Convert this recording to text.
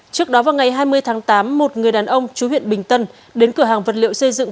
trước đó vào ngày hai mươi tháng tám một người đàn ông chú huyện bình tân đến cửa hàng vật liệu xây dựng